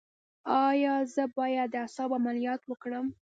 ایا زه باید د اعصابو عملیات وکړم؟